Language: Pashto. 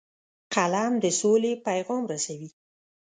قلم د سولې پیغام رسوي